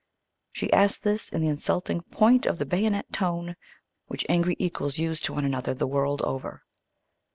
She asked this in the insulting "point of the bayonet" tone which angry equals use to one another the world over.